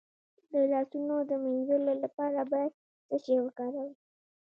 د لاسونو د مینځلو لپاره باید څه شی وکاروم؟